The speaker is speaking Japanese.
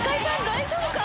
大丈夫か？